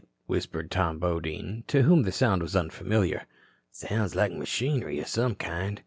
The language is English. whispered Tom Bodine, to whom the sound was unfamiliar. "Sounds like machinery of some kind."